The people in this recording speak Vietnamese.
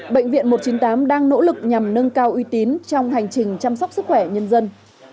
bệnh viện một trăm chín mươi tám đang nỗ lực nhằm nâng cao uy tín trong hành trình chăm sóc sức khỏe nhân dân